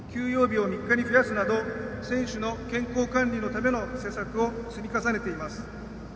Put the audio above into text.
日を３日に増やすなど選手の健康管理のための施策を積み重ねています。